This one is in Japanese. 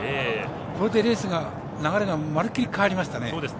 これでレースの流れがまるっきり変わりましたね。